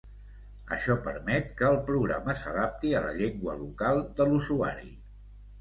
Això permet que el programa s'adapti a la llengua local de l'usuari...